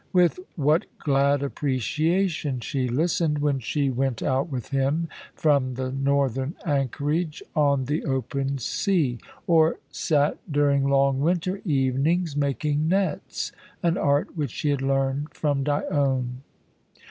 With what glad appreciation she listened, when she went out with him from the northern anchorage on the open sea, or sat during long winter evenings making nets, an art which she had learned from Dione!